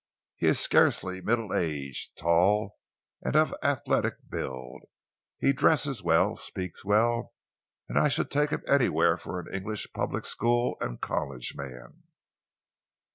He is scarcely middle aged tall and of athletic build. He dresses well, speaks well, and I should take him anywhere for an English public school and college man."